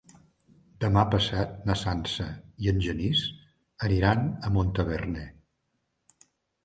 Demà passat na Sança i en Genís aniran a Montaverner.